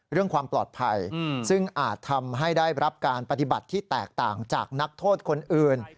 เรื่องความปลอดภัยซึ่งอาจทำให้ได้รับการปฏิบัติที่แตกต่างจากนักโทษคนอื่น